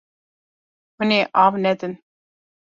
Hûn ê av nedin.